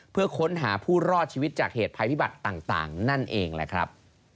เพื่อค้นหาผู้รอดชีวิตจากเหตุภัยพิบัติต่างนั่นเองแหละครับ